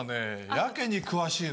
やけに詳しいのよ。